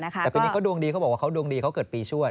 แต่ปีนี้เขาดวงดีเขาบอกว่าเขาดวงดีเขาเกิดปีช่วย